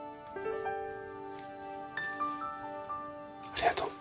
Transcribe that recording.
ありがとう。